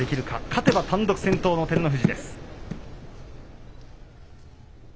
勝てば単独先頭の照ノ富士です。